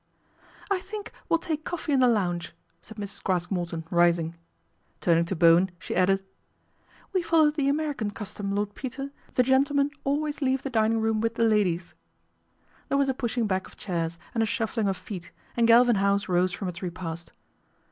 " I think we'll take coffee in the lounge," said Mrs. Craske Morton, rising. Turning to Bowen, she added, " We follow the American custom, Lord Peter, the gentlemen always leave the dining room with the ladies." There was a pushing back of chairs and a shuffling of feet and Galvin House rose from its repast.